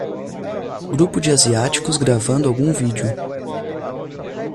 Grupo de asiáticos gravando algum vídeo.